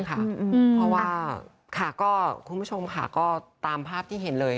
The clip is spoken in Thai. เพราะว่าค่ะก็คุณผู้ชมค่ะก็ตามภาพที่เห็นเลย